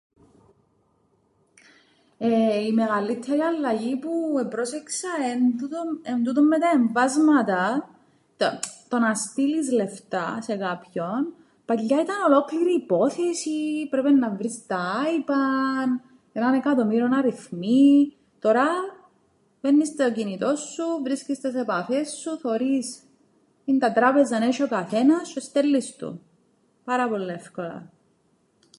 Η μεγαλλύττερη αλλαγή που επρόσεξα εν' τούτον- εν' τούτον με τα εμβάσματα, το να στείλεις λεφτά σε κάποιον παλιά ήταν ολόκληρη υπόθεση, έπρεπεν να βρεις τα άιπαν, έναν εκατομμύριον αριθμοί, τωρά μπαίννεις στο κινητόν σου, βρίσκεις τες επαφές σου, θωρείς ίντα τράπεζαν έσ̆ει ο καθένας τζ̌αι στέλλεις του πάρα πολλά εύκολα.